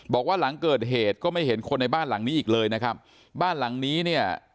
บอกว่าหลังเกิดเหตุก็ไม่เห็นคนในบ้านหลังนี้อีกเลยนะครับบ้านหลังนี้เนี่ย